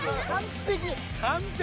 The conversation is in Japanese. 完璧。